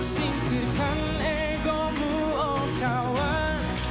singkirkan egomu oh kawan